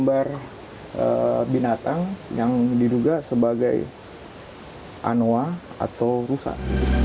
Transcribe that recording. binatang yang diduga sebagai anua atau rusak